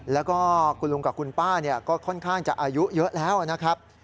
แล้วก็คุณลุงกับคุณป้าก็ค่อนข้างจะอายุเยอะแล้วนะครับ